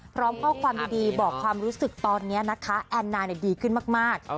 พร้อมข้อความดีบอกความรู้สึกตอนนี้นะคะแอนนาดีขึ้นมาก